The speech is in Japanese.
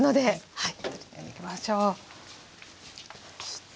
はい。